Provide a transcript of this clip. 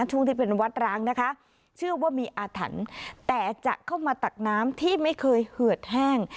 ช่วงที่เป็นวัดร้างนะคะเชื่อว่ามีอาถรรพ์แต่จะเข้ามาตักน้ำที่ไม่เคยเหือดแห้ง